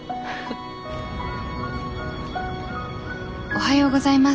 おはようございます。